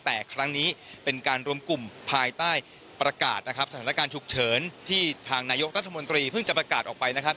แต่ครั้งนี้เป็นการรวมกลุ่มภายใต้ประกาศนะครับสถานการณ์ฉุกเฉินที่ทางนายกรัฐมนตรีเพิ่งจะประกาศออกไปนะครับ